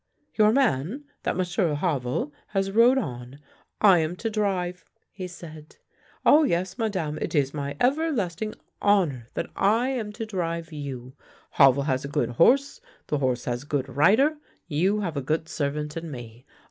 " Your man, that M'sieu* Havel, has rode on; I am to drive," he said. " Ah, yes, Madame, it is my everlast ing honour that I am to drive you. Havel has a good horse, the horse has a good rider, you have a good servant in me.